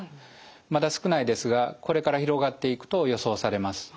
まだ少ないですがこれから広がっていくと予想されます。